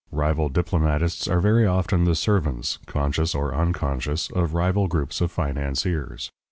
Rival diplomatists are very often the servants, conscious or unconscious, of rival groups of financiers.